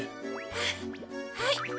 はい。